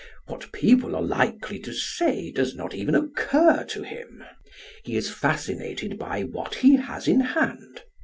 What people are likely to say does not even occur to him. He is fascinated by what he has in hand.